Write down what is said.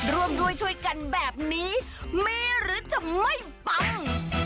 ร่วมด้วยช่วยกันแบบนี้มีหรือจะไม่ปัง